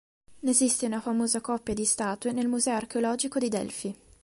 Ne esiste una famosa coppia di statue nel Museo archeologico di Delfi.